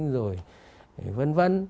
rồi vân vân